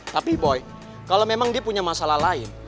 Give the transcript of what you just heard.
tapi boy kalau memang dia punya masalah lain